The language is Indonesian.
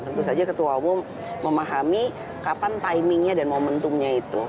tentu saja ketua umum memahami kapan timingnya dan momentumnya itu